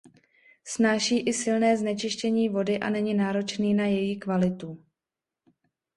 Snáší i silné znečištění vody a není náročný na její kvalitu.